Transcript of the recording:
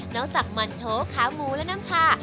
นอกจากมันโท๊กข้ามูลน้ำชา